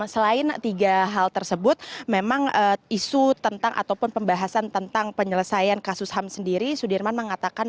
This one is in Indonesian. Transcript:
selain tiga hal tersebut memang isu tentang ataupun pembahasan tentang penyelesaian kasus ham sendiri sudirman mengatakan